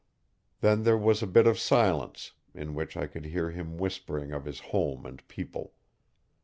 Then there was a bit of silence, in which I could hear him whispering of his home and people.